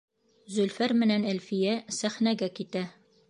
Зөлфәр менән Әлфиә сәхнәгә китә.